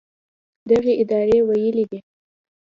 دغې ادارې ویلي دي